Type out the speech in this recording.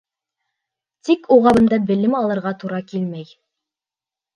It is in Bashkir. Тик уға бында белем алырға тура килмәй.